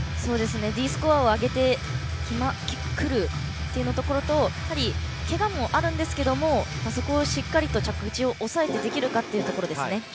Ｄスコアを上げてくるというところとやはり、けがもあるんですがそこをしっかり着地を押さえてできるかですね。